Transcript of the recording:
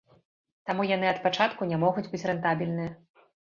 Таму яны ад пачатку не могуць быць рэнтабельныя.